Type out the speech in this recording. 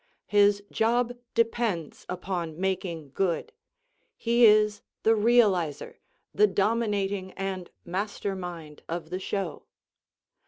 His job depends upon making good; he is the "realizer," the dominating and master mind of the show.